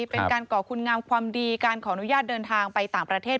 ก่อคุณงามความดีการขออนุญาตเดินทางไปต่างประเทศ